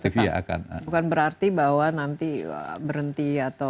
tetap bukan berarti bahwa nanti berhenti atau